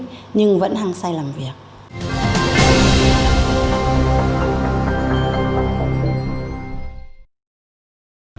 nhưng vẫn hăng say làm việc